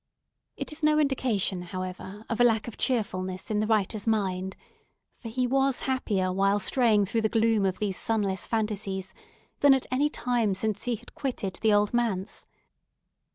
It is no indication, however, of a lack of cheerfulness in the writer's mind: for he was happier while straying through the gloom of these sunless fantasies than at any time since he had quitted the Old Manse.